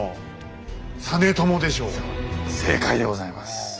正解でございます。